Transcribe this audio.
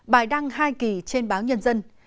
bài đăng hai kỳ trên báo nhân dân